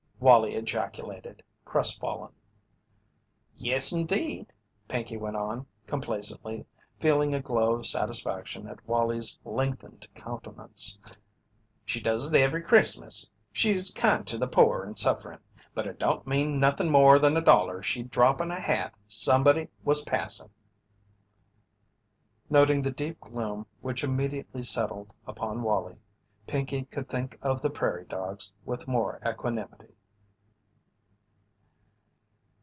Wallie ejaculated, crestfallen. "Yes, indeed," Pinkey went on, complacently, feeling a glow of satisfaction at Wallie's lengthened countenance; "she does it every Christmas. She's kind to the pore and sufferin', but it don't mean nothin' more than a dollar she'd drop in a hat somebody was passin'." Noting the deep gloom which immediately settled upon Wallie, Pinkey could think of the prairie dogs with more equanimity.